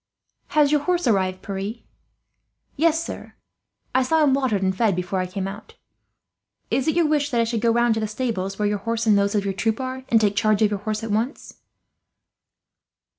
"Has your horse arrived, Pierre?" "Yes, sir. I saw him watered and fed before I came out. Is it your wish that I should go round to the stables where your horse and those of your troop are, and take charge of your horse at once?"